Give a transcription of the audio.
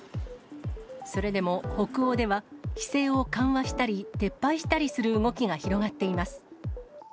それでも北欧では、規制を緩和したり、撤廃したりする動きが広がっています。